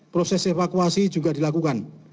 proses evakuasi juga dilakukan